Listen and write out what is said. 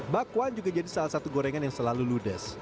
bakwan juga jadi salah satu gorengan yang selalu ludes